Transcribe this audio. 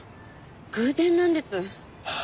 偶然なんです。